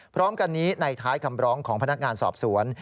พร้อมกันนี้ในท้ายคำร้องของพนักงานสอบสวน